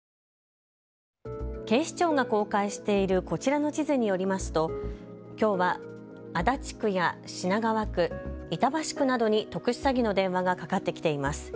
警視庁が公開しているこちらの地図によりますときょうは足立区や品川区、板橋区などに特殊詐欺の電話がかかってきています。